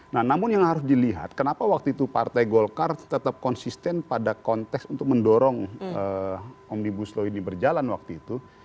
nah namun yang harus dilihat kenapa waktu itu partai golkar tetap konsisten pada konteks untuk mendorong omnibus law ini berjalan waktu itu